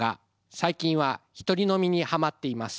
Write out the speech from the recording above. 最近は一人飲みにハマっています。